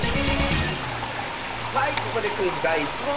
はいここでクイズだい１もん！